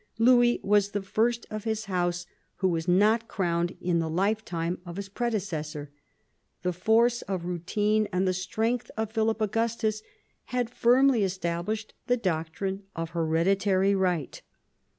Louis was the first of his house w r ho was not crowned in the lifetime of his predecessor. The force of routine and the strength of Philip Augustus had firmly established the doctrine of hereditary right.